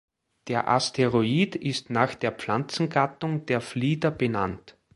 Der Asteroid ist nach der Pflanzengattung der Flieder benannt.